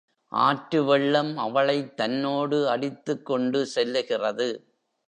ஆற்று வெள்ளம் அவளைத் தன்னோடு அடித்துக் கொண்டு செல்லுகிறது.